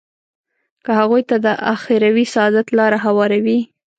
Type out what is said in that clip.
که هغوی ته د اخروي سعادت لاره هواروي.